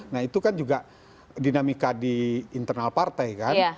nah itu kan juga dinamika di internal partai kan